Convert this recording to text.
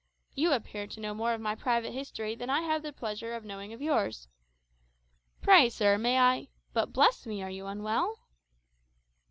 You appear to know more of my private history than I have the pleasure of knowing of yours. Pray, sir, may I but, bless me! are you unwell?"